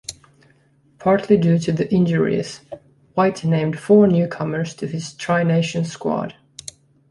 Partly due to the injuries, White named four newcomers to his Tri Nations squad.